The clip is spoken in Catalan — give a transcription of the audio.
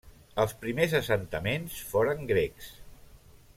Els primers assentaments foren grecs.